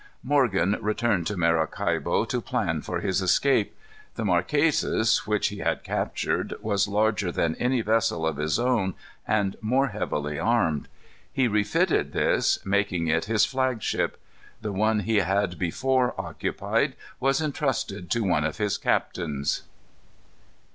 Morgan returned to Maracaibo to plan for his escape. The Marquesas, which he had captured, was larger than any vessel of his own, and more heavily armed. He refitted this, making it his flagship. The one he had before occupied was intrusted to one of his captains.